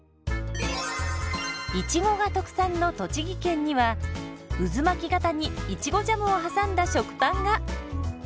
いちごが特産の栃木県には渦巻き型にいちごジャムを挟んだ食パンが！